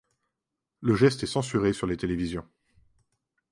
Le geste est censuré sur les télévisions.